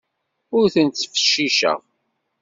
Ur tent-ttfecciceɣ.